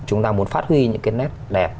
chúng ta muốn phát huy những cái nét đẹp